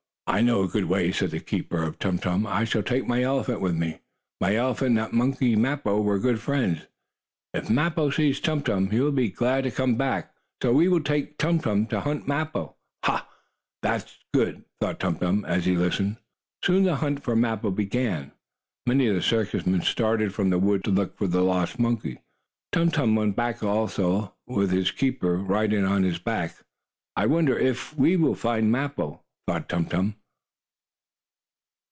"I know a good way," said the keeper of Tum Tum. "I shall take my elephant with me. My elephant and that monkey Mappo were good friends. If Mappo sees Tum Tum, he will be glad to come back. So we will take Tum Tum to hunt Mappo." "Ha! That is good!" thought Tum Tum, as he listened. Soon the hunt for Mappo began. Many of the circus men started for the woods to look for the lost monkey. Tum Tum went along also, his keeper riding on his back. "I wonder if we will find Mappo?" thought Tum Tum.